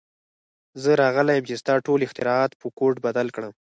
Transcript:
زه راغلی یم چې ستا ټول اختراعات په کوډ بدل کړم